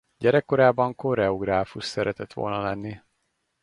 Gyerekkorában koreográfus szeretett volna lenni.